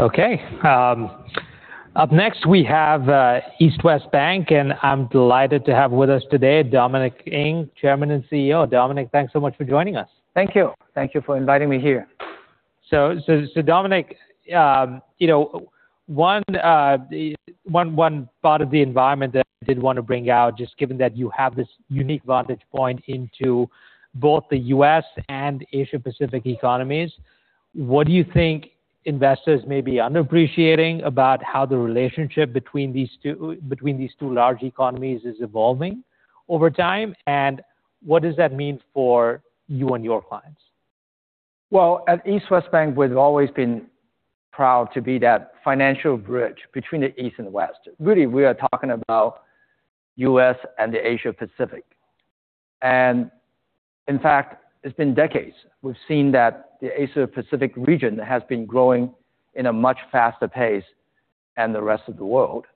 Okay. Up next we have East West Bank. I'm delighted to have with us today Dominic Ng, Chairman and CEO. Dominic, thanks so much for joining us. Thank you. Thank you for inviting me here. Dominic, one part of the environment that I did want to bring out, just given that you have this unique vantage point into both the U.S. and Asia-Pacific economies, what do you think investors may be unappreciating about how the relationship between these two large economies is evolving over time? What does that mean for you and your clients? Well, at East West Bank, we've always been proud to be that financial bridge between the East and West. Really, we are talking about U.S. and the Asia-Pacific. In fact, it's been decades. We've seen that the Asia-Pacific region has been growing in a much faster pace than the rest of the world.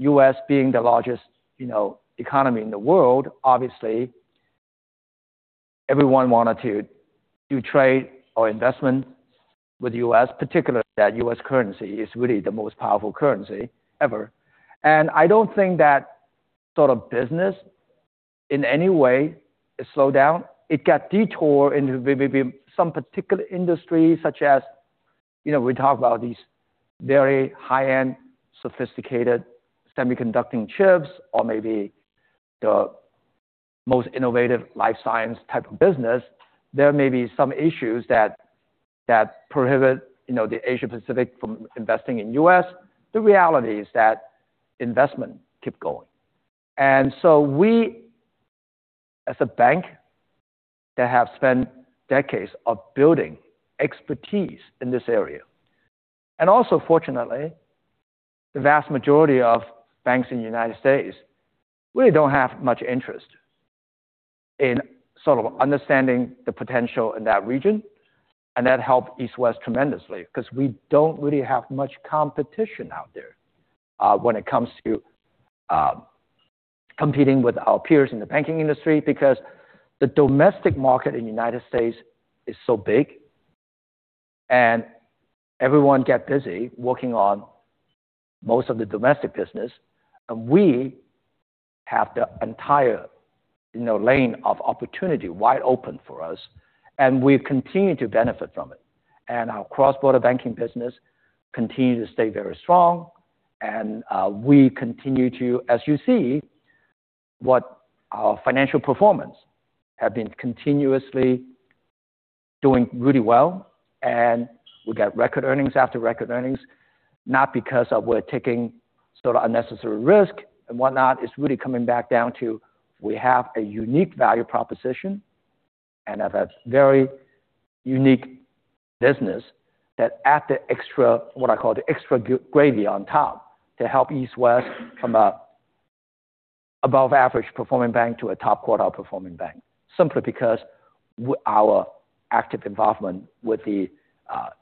U.S. being the largest economy in the world, obviously, everyone wanted to do trade or investment with U.S. particular, that U.S. currency is really the most powerful currency ever. I don't think that sort of business in any way is slowed down. It got detoured into maybe some particular industry, such as, we talk about these very high-end, sophisticated semiconducting chips or maybe the most innovative life science type of business. There may be some issues that prohibit the Asia-Pacific from investing in U.S. The reality is that investment keep going. We, as a bank, that have spent decades of building expertise in this area. Also, fortunately, the vast majority of banks in U.S. really don't have much interest in sort of understanding the potential in that region. That helped East West tremendously because we don't really have much competition out there when it comes to competing with our peers in the banking industry. The domestic market in the U.S. is so big and everyone get busy working on most of the domestic business, and we have the entire lane of opportunity wide open for us, and we've continued to benefit from it. Our cross-border banking business continue to stay very strong. We continue to, as you see, what our financial performance have been continuously doing really well. We got record earnings after record earnings, not because of we're taking sort of unnecessary risk and whatnot. It's really coming back down to we have a unique value proposition and have a very unique business that add the extra, what I call the extra gravy on top to help East West from above average performing bank to a top quartile performing bank, simply because our active involvement with the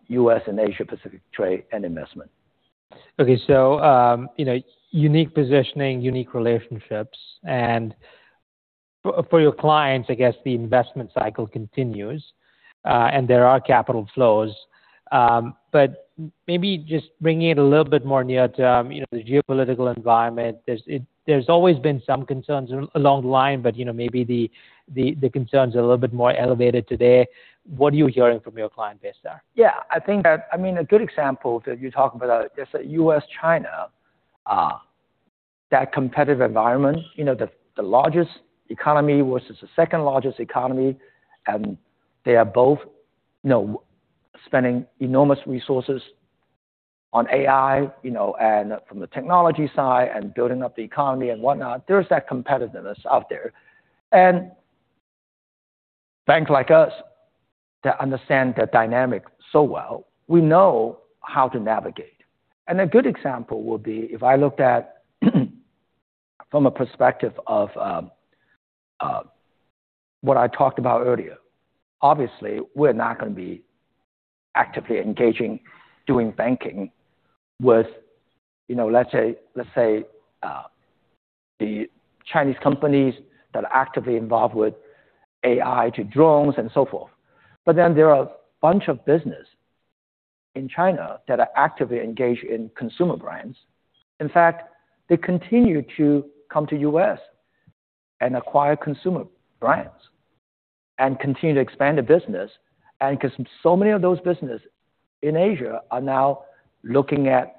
U.S. and Asia-Pacific trade and investment. Okay. Unique positioning, unique relationships. For your clients, I guess the investment cycle continues. There are capital flows. Maybe just bringing it a little bit more near term, the geopolitical environment. There's always been some concerns along the line, but maybe the concerns are a little bit more elevated today. What are you hearing from your client base there? Yeah, I think, a good example, if you're talking about just the U.S., China that competitive environment. The largest economy versus the second-largest economy, they are both spending enormous resources on AI, from the technology side and building up the economy and whatnot. There is that competitiveness out there. Banks like us that understand the dynamic so well, we know how to navigate. A good example would be if I looked at from a perspective of what I talked about earlier. Obviously, we're not going to be actively engaging, doing banking with, let's say, the Chinese companies that are actively involved with AI to drones and so forth. There are a bunch of business in China that are actively engaged in consumer brands. In fact, they continue to come to U.S. and acquire consumer brands and continue to expand the business. Because so many of those businesses in Asia are now looking at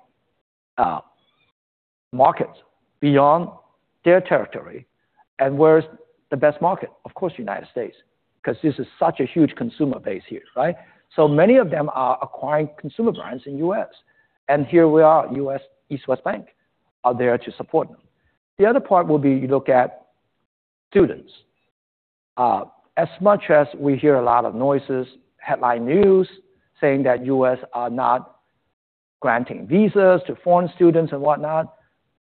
markets beyond their territory. Where is the best market? Of course, the U.S., because this is such a huge consumer base here, right? Many of them are acquiring consumer brands in the U.S. Here we are, U.S., East West Bank are there to support them. The other part would be, you look at students. As much as we hear a lot of noises, headline news saying that the U.S. is not granting visas to foreign students and whatnot,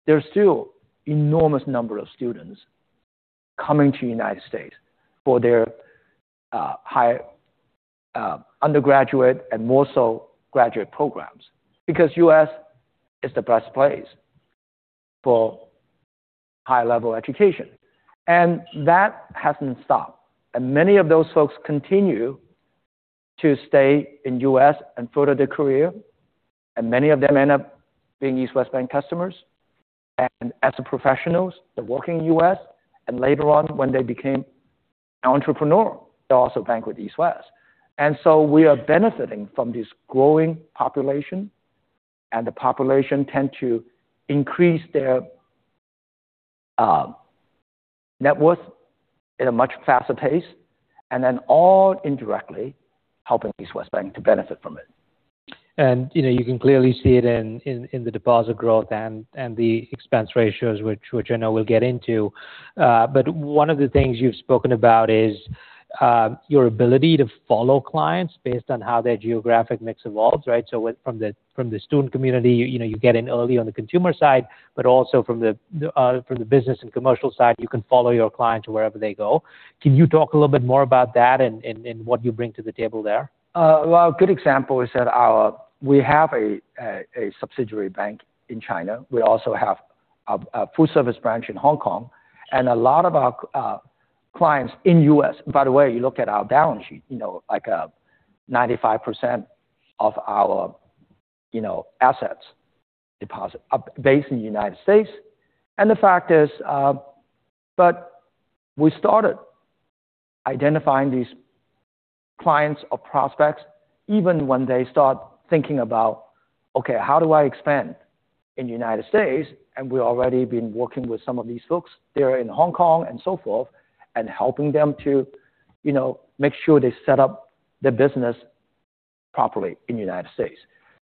there is still an enormous number of students coming to the U.S. for their undergraduate and more so graduate programs because the U.S. is the best place for high-level education. That has not stopped, and many of those folks continue to stay in the U.S. and further their career, and many of them end up being East West Bank customers. As professionals, they work in the U.S., and later on when they became entrepreneur, they also bank with East West. So we are benefiting from this growing population, and the population tends to increase their net worth in a much faster pace, and then all indirectly helping East West Bank to benefit from it. You can clearly see it in the deposit growth and the expense ratios which I know we will get into. One of the things you have spoken about is your ability to follow clients based on how their geographic mix evolves, right? From the student community, you get in early on the consumer side, but also from the business and commercial side, you can follow your clients wherever they go. Can you talk a little bit more about that and what you bring to the table there? A good example is that we have a subsidiary bank in China. We also have a full-service branch in Hong Kong, and a lot of our clients in the U.S. By the way, you look at our balance sheet, like 95% of our assets deposit are based in the U.S. The fact is, but we started identifying these clients or prospects even when they start thinking about, "Okay, how do I expand in the U.S.?" We have already been working with some of these folks. They are in Hong Kong and so forth, and helping them to make sure they set up their business properly in the U.S.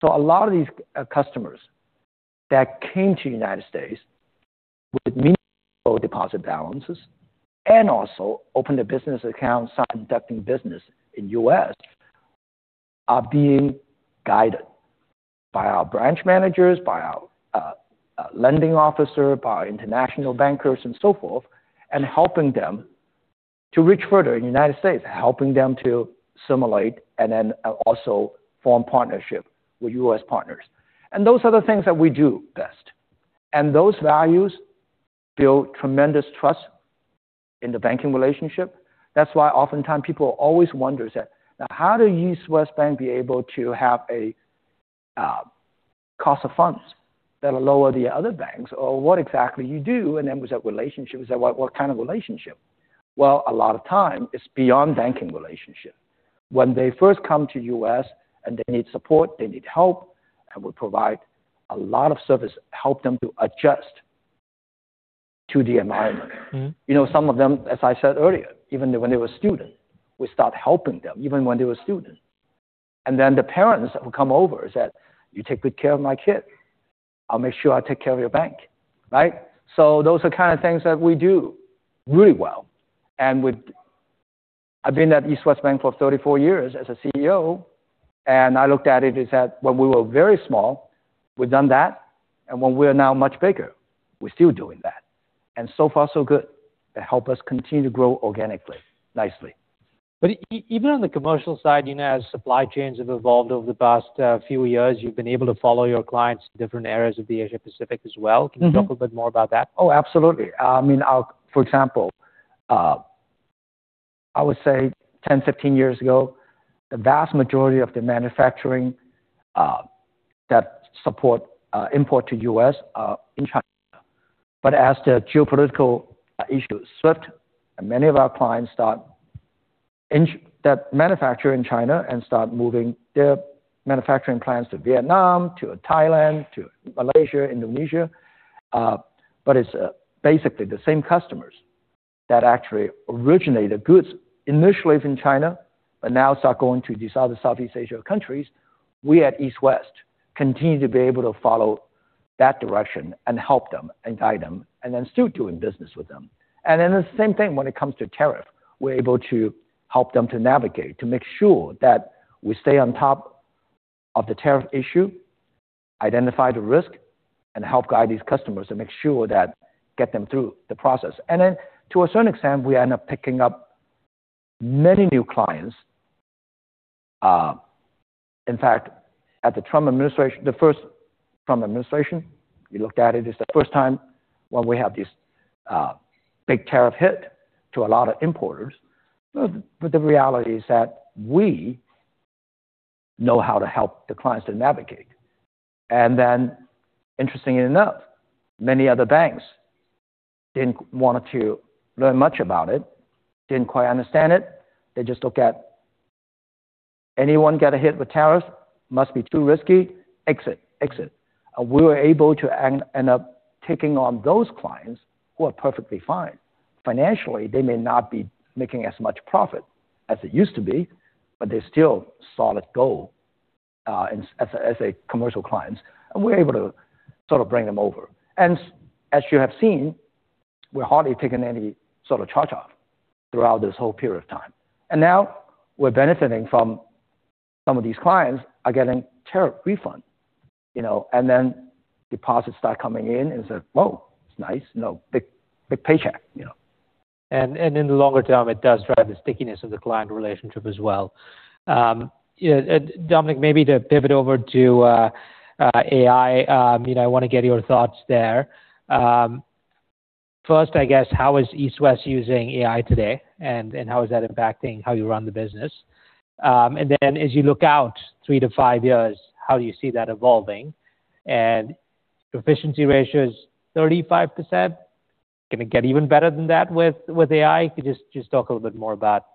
A lot of these customers that came to the United States with meaningful deposit balances and also opened a business account, started conducting business in U.S., are being guided by our branch managers, by our lending officer, by international bankers and so forth. Helping them to reach further in the United States, helping them to assimilate and also form partnership with U.S. partners. Those are the things that we do best. Those values build tremendous trust in the banking relationship. That's why oftentimes people always wonder, is that, "Now, how do East West Bank be able to have a cost of funds that are lower than the other banks? Or what exactly you do?" We say, "Relationships." They're like, "What kind of relationship?" Well, a lot of time, it's beyond banking relationship. When they first come to U.S. and they need support, they need help, we provide a lot of service, help them to adjust to the environment. Some of them, as I said earlier, even when they were student, we start helping them. The parents would come over and said, "You take good care of my kid. I'll make sure I take care of your bank." Right? Those are kind of things that we do really well. I've been at East West Bank for 34 years as a CEO, and I looked at it, is that when we were very small, we've done that, and when we are now much bigger, we're still doing that. So far so good. They help us continue to grow organically, nicely. Even on the commercial side, as supply chains have evolved over the past few years, you've been able to follow your clients to different areas of the Asia-Pacific as well. Can you talk a bit more about that? Oh, absolutely. For example, I would say 10, 15 years ago, the vast majority of the manufacturing that support import to U.S. are in China. As the geopolitical issues shift and many of our clients that manufacture in China and start moving their manufacturing plants to Vietnam, to Thailand, to Malaysia, Indonesia. It's basically the same customers that actually originate the goods initially from China, but now start going to these other Southeast Asia countries. We at East West continue to be able to follow that direction and help them and guide them, still doing business with them. The same thing when it comes to tariff. We're able to help them to navigate, to make sure that we stay on top of the tariff issue, identify the risk, and help guide these customers and make sure that get them through the process. To a certain extent, we end up picking up many new clients. In fact, at the first Trump administration, we looked at it as the first time when we have this big tariff hit to a lot of importers. The reality is that we know how to help the clients to navigate. Interestingly enough, many other banks didn't want to learn much about it, didn't quite understand it. They just look at anyone get a hit with tariffs, must be too risky. Exit, exit. We were able to end up taking on those clients who are perfectly fine. Financially, they may not be making as much profit as it used to be, but they're still solid gold as a commercial client, and we're able to sort of bring them over. As you have seen, we're hardly taking any sort of charge-off throughout this whole period of time. Now we're benefiting from some of these clients are getting tariff refund. Deposits start coming in and say, "Whoa, it's nice." Big paycheck, you know? in the longer term, it does drive the stickiness of the client relationship as well. Dominic, maybe to pivot over to AI, I want to get your thoughts there. First, I guess, how is East West using AI today, and how is that impacting how you run the business? Then as you look out three to five years, how do you see that evolving? Efficiency ratio is 35%, can it get even better than that with AI? If you just talk a little bit more about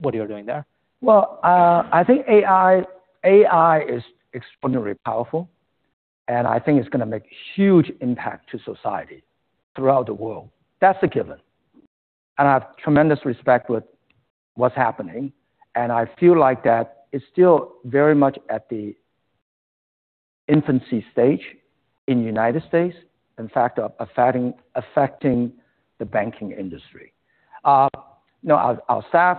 what you're doing there. Well, I think AI is extraordinarily powerful, and I think it's going to make huge impact to society throughout the world. That's a given. I have tremendous respect with what's happening, and I feel like that is still very much at the infancy stage in the U.S. In fact, affecting the banking industry. Our staff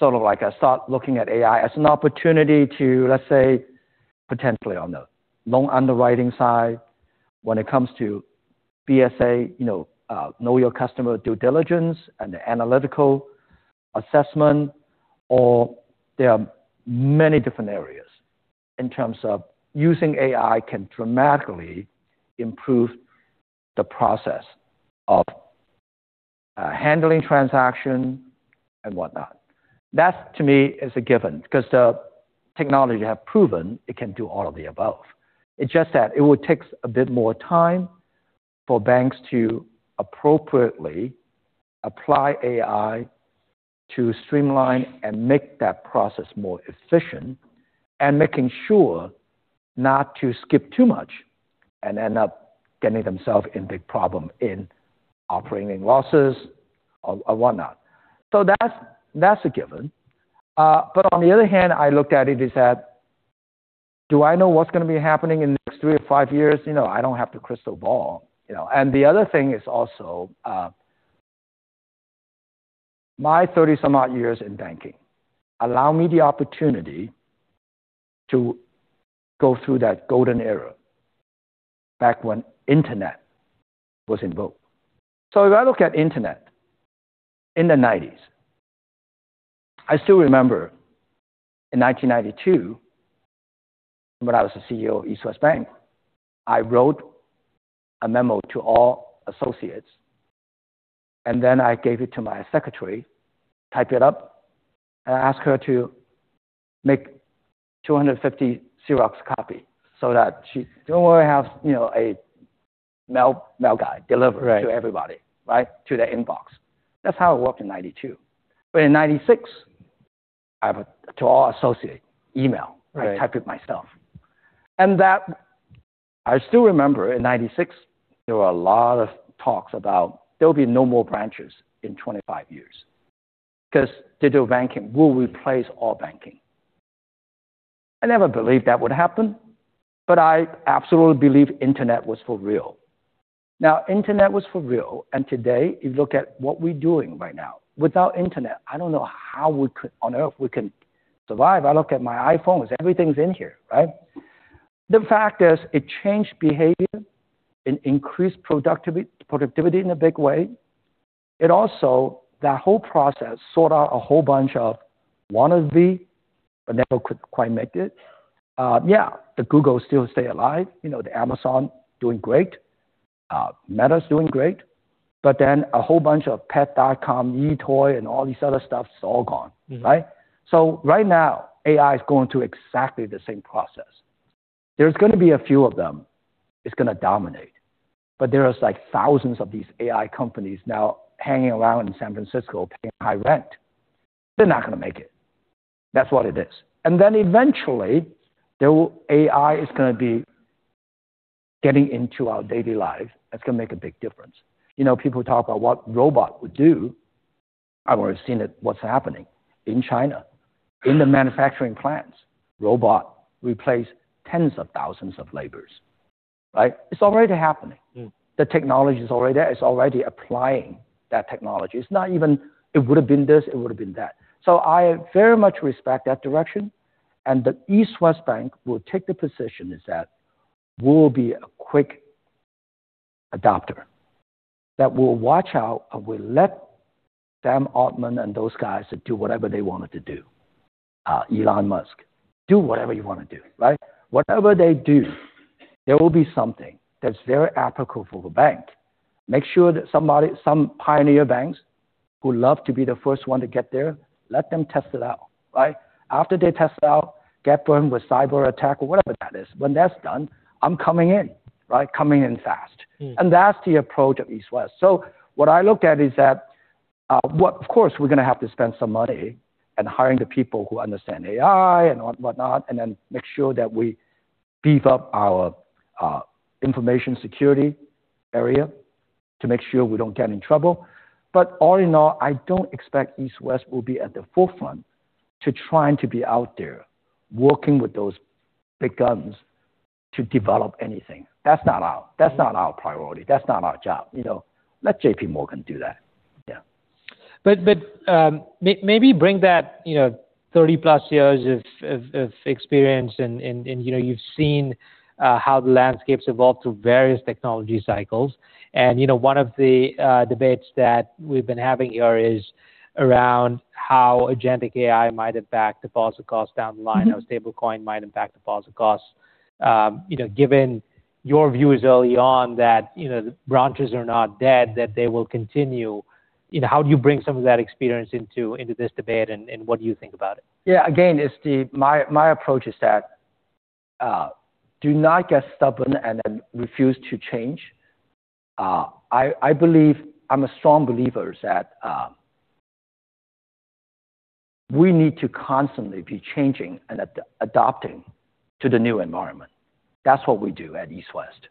sort of start looking at AI as an opportunity to, let's say, potentially on the loan underwriting side when it comes to BSA, know your customer due diligence and the analytical assessment, or there are many different areas in terms of using AI can dramatically improve the process of handling transaction and whatnot. That to me is a given because the technology have proven it can do all of the above. It's just that it would take a bit more time for banks to appropriately apply AI to streamline and make that process more efficient, and making sure not to skip too much and end up getting themselves in big problem in operating losses or whatnot. That's a given. On the other hand, I looked at it, is that do I know what's going to be happening in the next three to five years? I don't have the crystal ball. The other thing is also, my 30 some odd years in banking allow me the opportunity to go through that golden era back when internet was in vogue. If I look at internet in the 1990s, I still remember in 1992 when I was the CEO of East West Bank, I wrote a memo to all associates, then I gave it to my secretary, type it up, and ask her to make 250 Xerox copy so that she don't want to have a mail guy deliver- Right. ...to everybody, to their inbox. That's how it worked in 1992. In 1996, I have a to all associate email. Right. I typed it myself. That I still remember in 1996, there were a lot of talks about there'll be no more branches in 25 years because digital banking will replace all banking. I never believed that would happen, but I absolutely believe internet was for real. Now, internet was for real, and today you look at what we're doing right now. Without internet, I don't know how on earth we can survive. I look at my iPhones, everything's in here, right? The fact is it changed behavior and increased productivity in a big way. It also, that whole process sort out a whole bunch of wannabe, never could quite make it. Yeah, the Google still stay alive, the Amazon doing great, Meta's doing great, a whole bunch of Pets.com, eToys.com, and all these other stuff is all gone, right? Right now, AI is going through exactly the same process. There's going to be a few of them, it's going to dominate, but there is like thousands of these AI companies now hanging around in San Francisco paying high rent. They're not going to make it. That's what it is. Eventually, AI is going to be getting into our daily lives. That's going to make a big difference. People talk about what robot would do. I've already seen it, what's happening in China, in the manufacturing plants. Robot replace tens of thousands of laborers. It's already happening. The technology is already there. It's already applying that technology. It's not even it would've been this, it would've been that. I very much respect that direction, and that East West Bank will take the position is that we'll be a quick adopter that will watch out and will let Sam Altman and those guys do whatever they wanted to do. Elon Musk, do whatever you want to do. Whatever they do, there will be something that's very applicable for the bank. Make sure that some pioneer banks who love to be the first one to get there, let them test it out. After they test it out, get burned with cyber attack or whatever that is, when that's done, I'm coming in fast. That's the approach of East West. What I look at is that, of course, we're going to have to spend some money and hiring the people who understand AI and whatnot, and then make sure that we beef up our information security area to make sure we don't get in trouble. All in all, I don't expect East West will be at the forefront to trying to be out there working with those big guns to develop anything. That's not our priority. That's not our job. Let JPMorgan do that. Yeah. Maybe bring that 30+ years of experience and you've seen how the landscape's evolved through various technology cycles. One of the debates that we've been having here is around how agentic AI might impact deposit costs down the line, how stablecoin might impact deposit costs. Given your views early on that branches are not dead, that they will continue, how do you bring some of that experience into this debate, and what do you think about it? Yeah. Again, my approach is that do not get stubborn and refuse to change. I'm a strong believer that we need to constantly be changing and adapting to the new environment. That's what we do at East West.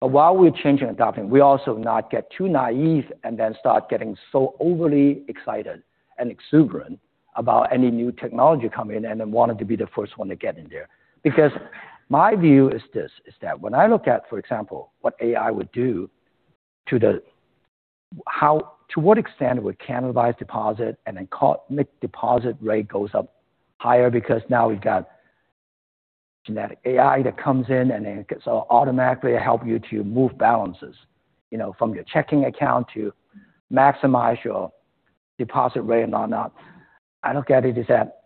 While we're changing, adapting, we also not get too naive and start getting so overly excited and exuberant about any new technology coming in and wanting to be the first one to get in there. My view is this, is that when I look at, for example, what AI would do, to what extent it would cannibalize deposit and then deposit rate goes up higher because now we've got agentic AI that comes in and it automatically help you to move balances from your checking account to maximize your deposit rate and whatnot. I look at it as that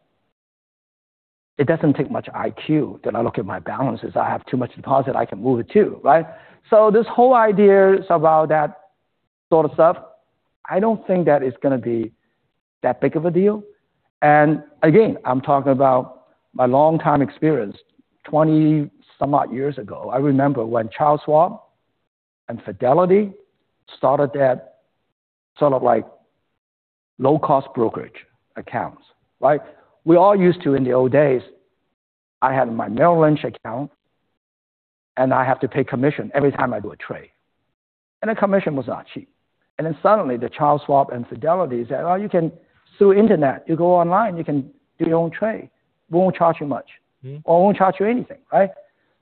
it doesn't take much IQ that I look at my balances. I have too much deposit, I can move it too, right? This whole idea about that sort of stuff, I don't think that it's going to be that big of a deal. Again, I'm talking about my longtime experience 20-some odd years ago. I remember when Charles Schwab and Fidelity started that low-cost brokerage accounts, right? We all used to in the old days, I had my Merrill Lynch account, and I have to pay commission every time I do a trade. The commission was not cheap. Suddenly the Charles Schwab and Fidelity said, "Oh, you can, through internet, you go online, you can do your own trade. Won't charge you much or won't charge you anything." Right?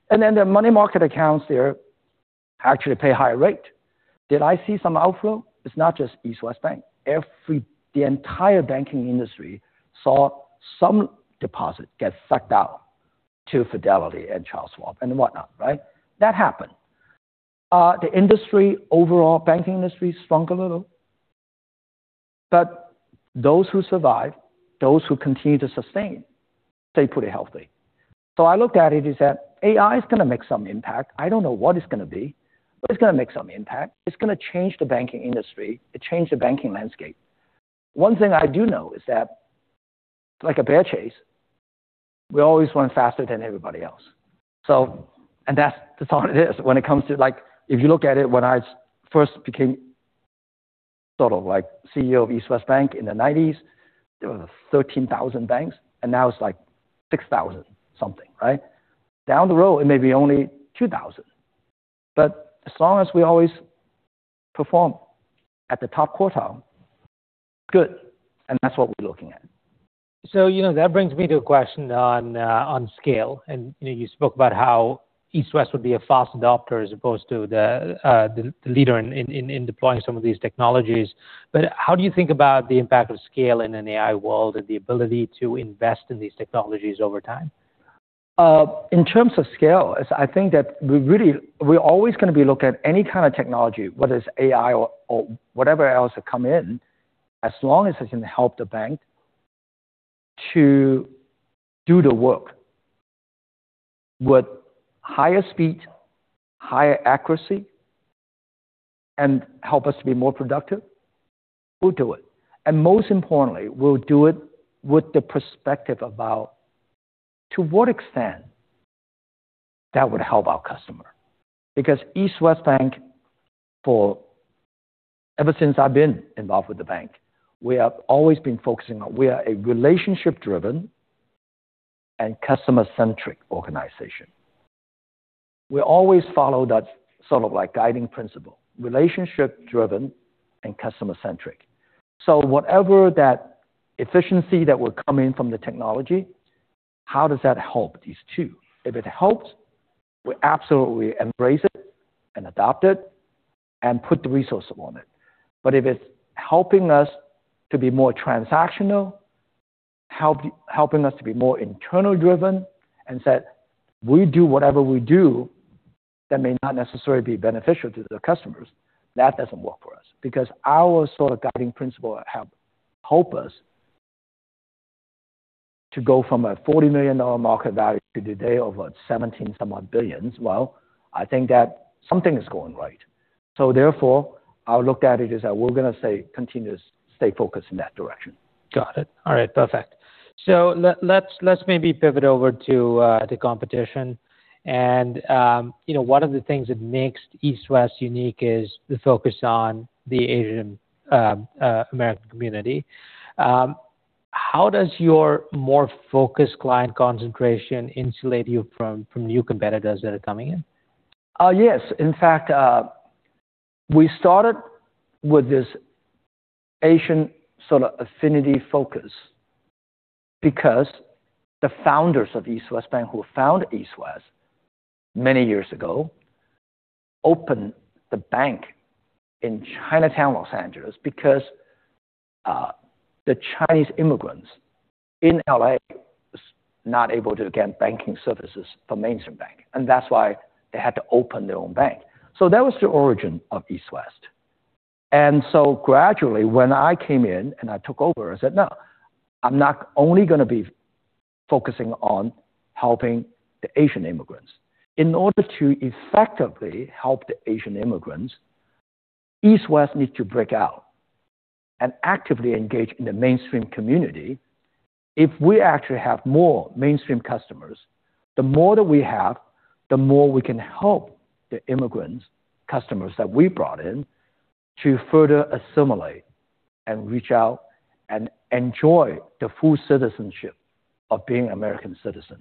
The money market accounts there actually pay a higher rate. Did I see some outflow? It's not just East West Bank. The entire banking industry saw some deposit get sucked out to Fidelity and Charles Schwab and whatnot, right? That happened. The industry overall, banking industry shrunk a little. Those who survived, those who continue to sustain, stay pretty healthy. I looked at it as that AI is going to make some impact. I don't know what it's going to be, but it's going to make some impact. It's going to change the banking industry. It changed the banking landscape. One thing I do know is that like a bear chase, we always run faster than everybody else. That's all it is when it comes to, if you look at it when I first became CEO of East West Bank in the 1990s, there were 13,000 banks, and now it's 6,000-something, right? Down the road, it may be only 2,000. As long as we always perform at the top quartile, good, and that's what we're looking at. That brings me to a question on scale. You spoke about how East West would be a fast adopter as opposed to the leader in deploying some of these technologies. How do you think about the impact of scale in an AI world and the ability to invest in these technologies over time? In terms of scale, I think that we're always going to be looking at any kind of technology, whether it's AI or whatever else that come in, as long as it can help the bank to do the work with higher speed, higher accuracy, and help us be more productive, we'll do it. Most importantly, we'll do it with the perspective about to what extent that would help our customer. Because East West Bank, ever since I've been involved with the bank, we have always been focusing on we are a relationship-driven and customer-centric organization. We always follow that guiding principle, relationship-driven and customer-centric. Whatever that efficiency that would come in from the technology, how does that help these two? If it helps, we absolutely embrace it and adopt it and put the resources on it. If it's helping us to be more transactional, helping us to be more internal driven and said, we do whatever we do that may not necessarily be beneficial to the customers, that doesn't work for us. Our guiding principle help us to go from a $40 million market value to today over $17-some odd billions, well, I think that something is going right. Therefore, I look at it as that we're going to say continuous stay focused in that direction. Got it. All right, perfect. Let's maybe pivot over to the competition and one of the things that makes East West unique is the focus on the Asian American community. How does your more focused client concentration insulate you from new competitors that are coming in? Yes. In fact, we started with this Asian affinity focus. Because the founders of East West Bank, who founded East West many years ago, opened the bank in Chinatown, Los Angeles, because the Chinese immigrants in L.A. were not able to get banking services from a mainstream bank, and that's why they had to open their own bank. That was the origin of East West. Gradually, when I came in and I took over, I said, "No, I'm not only going to be focusing on helping the Asian immigrants." In order to effectively help the Asian immigrants, East West needs to break out and actively engage in the mainstream community. If we actually have more mainstream customers, the more that we have, the more we can help the immigrants, customers that we brought in, to further assimilate and reach out and enjoy the full citizenship of being an American citizen.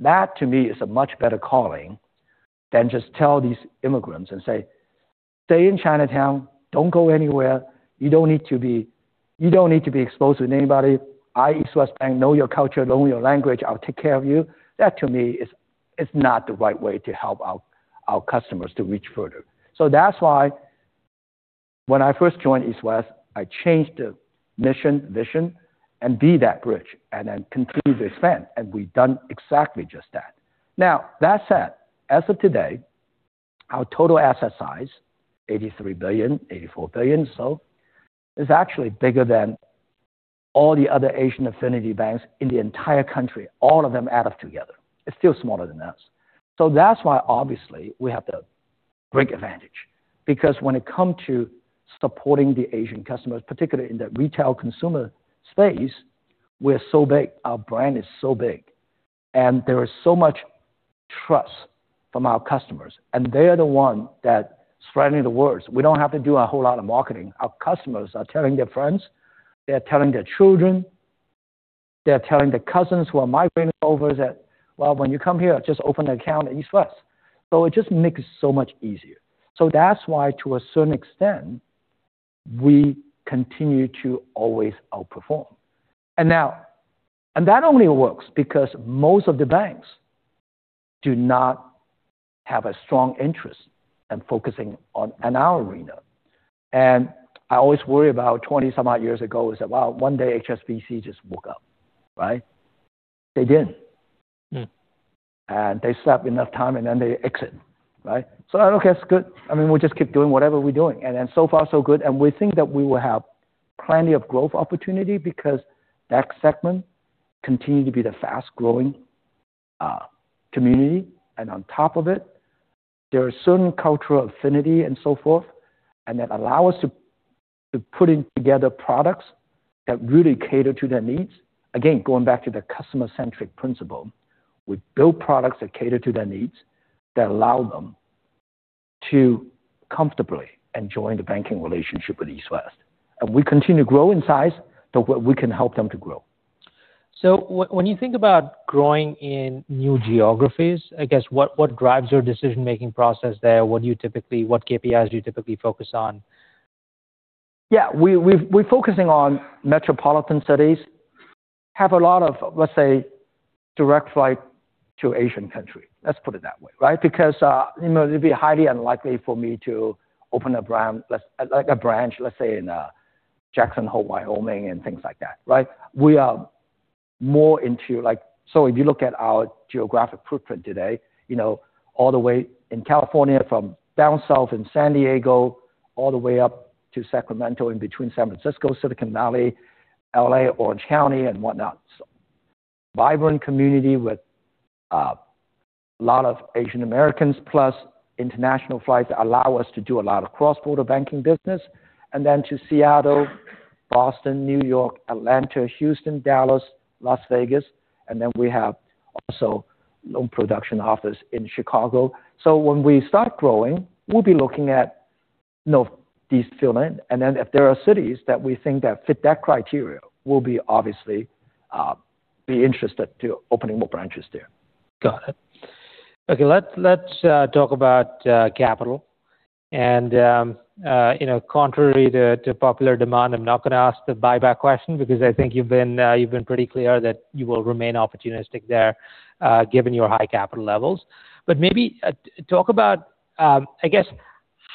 That to me is a much better calling than just tell these immigrants and say, "Stay in Chinatown. Don't go anywhere. You don't need to be exposed to anybody. I, East West Bank, know your culture, know your language. I'll take care of you." That to me is not the right way to help our customers to reach further. That's why when I first joined East West, I changed the mission, vision and be that bridge and then continue to expand, and we've done exactly just that. That said, as of today, our total asset size, $83 billion, $84 billion, it's actually bigger than all the other Asian affinity banks in the entire country. All of them added together, it's still smaller than us. That's why obviously we have the great advantage because when it come to supporting the Asian customers, particularly in the retail consumer space, we're so big. Our brand is so big, and there is so much trust from our customers, and they are the one that's spreading the words. We don't have to do a whole lot of marketing. Our customers are telling their friends. They're telling their children. They're telling their cousins who are migrating over that, "Well, when you come here, just open an account at East West." It just makes it so much easier. That's why to a certain extent, we continue to always outperform. That only works because most of the banks do not have a strong interest in focusing on our arena. I always worry about 20 some odd years ago is that, wow, one day HSBC just woke up, right? They didn't. They slept enough time, then they exit. I don't care. It's good. I mean, we'll just keep doing whatever we're doing, then so far so good. We think that we will have plenty of growth opportunity because that segment continue to be the fast-growing community. On top of it, there are certain cultural affinity and so forth, that allow us to putting together products that really cater to their needs. Again, going back to the customer-centric principle. We build products that cater to their needs, that allow them to comfortably enjoy the banking relationship with East West. We continue to grow in size, but we can help them to grow. When you think about growing in new geographies, I guess what drives your decision-making process there? What KPIs do you typically focus on? Yeah. We're focusing on metropolitan cities. Have a lot of, let's say, direct flight to Asian country. Let's put it that way, right? Because it'd be highly unlikely for me to open a branch, let's say, in Jackson Hole, Wyoming, and things like that. We are more into like if you look at our geographic footprint today, all the way in California from down south in San Diego, all the way up to Sacramento, in between San Francisco, Silicon Valley, L.A., Orange County, and whatnot. Vibrant community with a lot of Asian Americans, plus international flights allow us to do a lot of cross-border banking business. To Seattle, Boston, New York, Atlanta, Houston, Dallas, Las Vegas, and then we have also loan production office in Chicago. When we start growing, we'll be looking at these fill in, and then if there are cities that we think that fit that criteria, we'll obviously be interested to opening more branches there. Got it. Okay. Let's talk about capital and, contrary to popular demand, I'm not going to ask the buyback question because I think you've been pretty clear that you will remain opportunistic there given your high capital levels. Maybe talk about, I guess,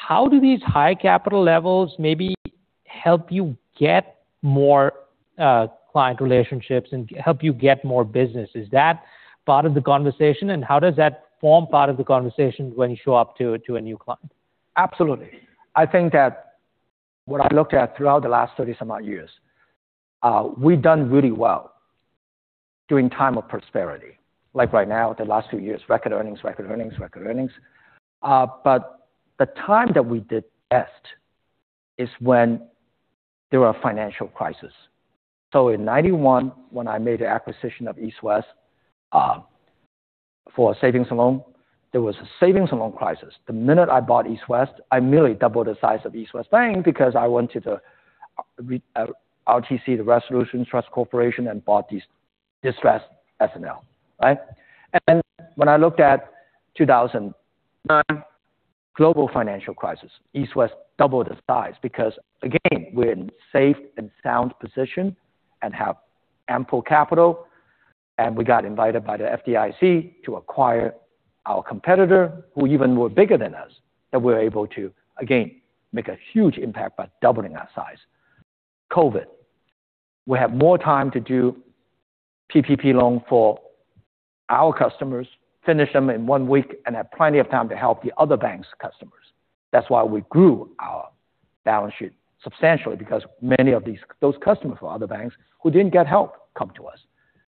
how do these high capital levels maybe help you get more client relationships and help you get more business? Is that part of the conversation, and how does that form part of the conversation when you show up to a new client? Absolutely. I think that what I looked at throughout the last 30 some odd years, we've done really well during time of prosperity. Like right now, the last few years, record earnings. The time that we did best is when there were financial crisis. In 1991, when I made the acquisition of East West for savings and loan, there was a savings and loan crisis. The minute I bought East West, I merely doubled the size of East West Bank because I wanted to RTC, the Resolution Trust Corporation, and bought this distressed S&L. When I looked at the 2009 global financial crisis, East West doubled its size because, again, we're in safe and sound position and have ample capital. We got invited by the FDIC to acquire our competitor, who even were bigger than us. That we're able to, again, make a huge impact by doubling our size. COVID, we have more time to do PPP loan for our customers, finish them in one week, and have plenty of time to help the other banks' customers. That's why we grew our balance sheet substantially because many of those customers from other banks who didn't get help come to us.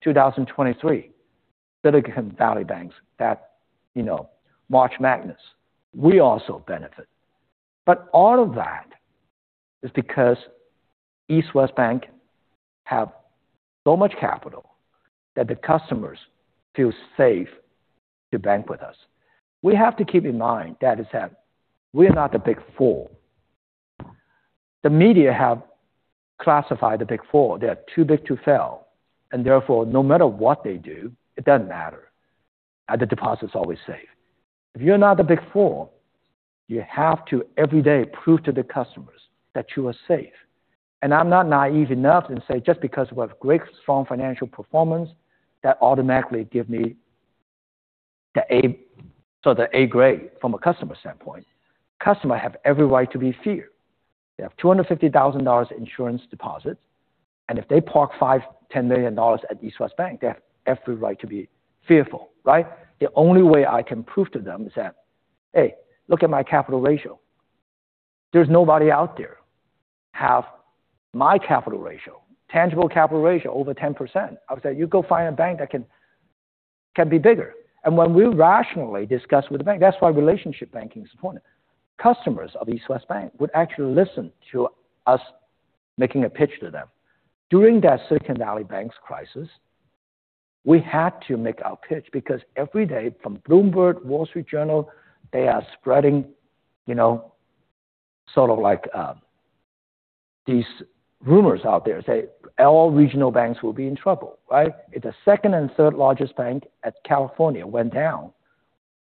2023, Silicon Valley Bank, that March madness, we also benefit. All of that is because East West Bank have so much capital that the customers feel safe to bank with us. We have to keep in mind, that is that we're not the Big Four. The media have classified the Big Four. They are too big to fail, and therefore, no matter what they do, it doesn't matter. The deposit's always safe. If you're not the Big Four, you have to, every day, prove to the customers that you are safe. I'm not naive enough to say just because we have great, strong financial performance, that automatically give me the A grade from a customer standpoint. Customer have every right to be feared. They have $250,000 insurance deposit, and if they park $5 million, $10 million at East West Bank, they have every right to be fearful, right? The only way I can prove to them is that, "Hey, look at my capital ratio. There's nobody out there have my capital ratio, tangible capital ratio over 10%." I would say, "You go find a bank that can be bigger." When we rationally discuss with the bank, that's why relationship banking is important. Customers of East West Bank would actually listen to us making a pitch to them. During that Silicon Valley Bank crisis, we had to make our pitch because every day from Bloomberg, The Wall Street Journal, they are spreading these rumors out there say all regional banks will be in trouble, right? If the second and third largest bank at California went down,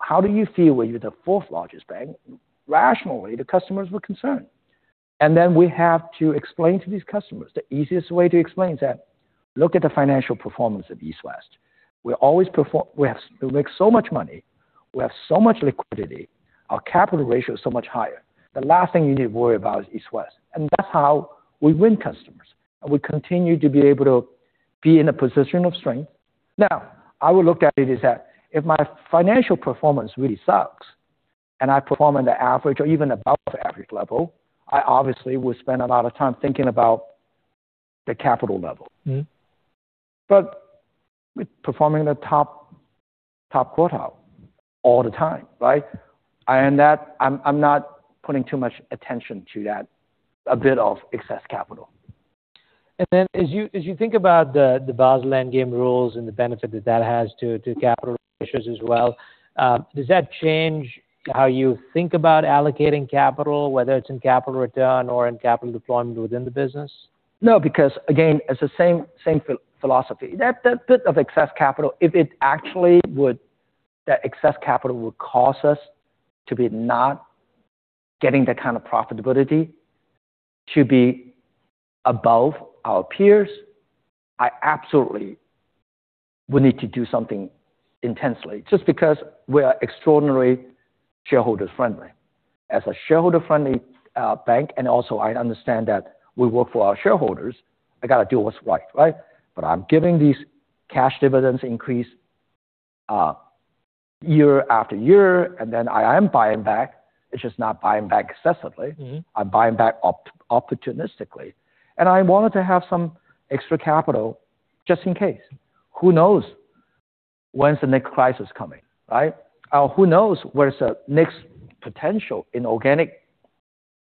how do you feel when you're the fourth largest bank? Rationally, the customers were concerned. Then we have to explain to these customers, the easiest way to explain is that, look at the financial performance of East West. We make so much money. We have so much liquidity. Our capital ratio is so much higher. The last thing you need to worry about is East West. That's how we win customers, and we continue to be able to be in a position of strength. Now, I would look at it is that if my financial performance really sucks, and I perform in the average or even above the average level, I obviously would spend a lot of time thinking about the capital level. We're performing the top quartile all the time, right? I'm not putting too much attention to that, a bit of excess capital. As you think about the Basel Endgame rules and the benefit that that has to capital ratios as well, does that change how you think about allocating capital, whether it's in capital return or in capital deployment within the business? No, because again, it's the same philosophy. That bit of excess capital, if it actually would, that excess capital would cause us to be not getting the kind of profitability to be above our peers, I absolutely would need to do something intensely just because we are extraordinarily shareholder-friendly. As a shareholder-friendly bank, and also I understand that we work for our shareholders, I got to do what's right. I'm giving these cash dividends increase year after year, and then I am buying back. It's just not buying back excessively. I'm buying back opportunistically. I wanted to have some extra capital just in case. Who knows when's the next crisis coming, right? Who knows where's the next potential inorganic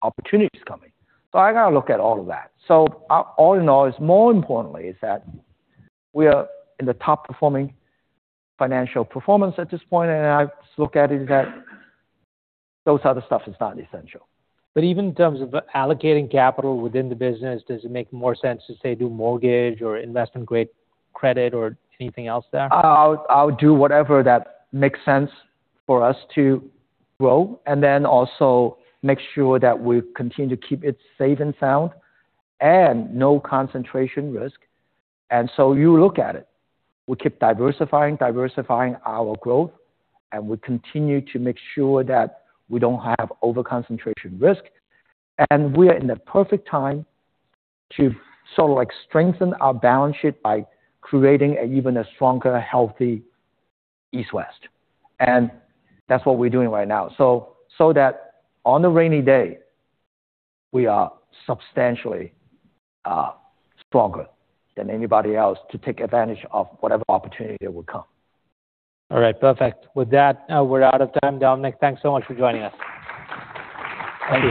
opportunities coming. I got to look at all of that. All in all, it's more importantly is that we are in the top-performing financial performance at this point, and I look at it that those other stuff is not essential. Even in terms of allocating capital within the business, does it make more sense to, say, do mortgage or invest in great credit or anything else there? I would do whatever that makes sense for us to grow and then also make sure that we continue to keep it safe and sound and no concentration risk. You look at it, we keep diversifying our growth, we continue to make sure that we don't have over-concentration risk. We are in the perfect time to sort of strengthen our balance sheet by creating even a stronger, healthy East West. That's what we're doing right now. That on a rainy day, we are substantially stronger than anybody else to take advantage of whatever opportunity that would come. All right. Perfect. With that, we're out of time, Dominic. Thanks so much for joining us. Thank you.